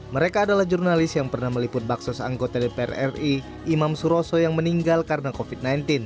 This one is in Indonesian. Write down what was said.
mereka adalah jurnalis yang pernah meliput baksos anggota dpr ri imam suroso yang meninggal karena covid sembilan belas